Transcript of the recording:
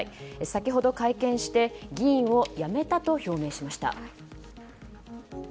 先ほど会見して議員を辞めたと表明しました。